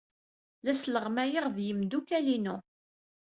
La sleɣmayeɣ ed yimeddukal-inu.